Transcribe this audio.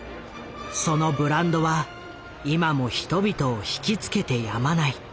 そのブランドは今も人々を引きつけてやまない。